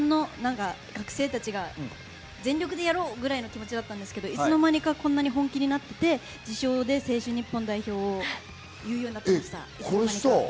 日本の学生たちが全力でやろうぐらいの気持ちだったんですけど、いつの間にか本気になって自称で青春日本代表を言うようになりました。